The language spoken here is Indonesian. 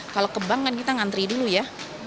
kalau kebang kan kita ngantri dulu ya